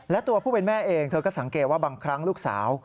และตัวผู้เป็นแม่เองเธอก็สังเกตว่าบางครั้งลูกสาว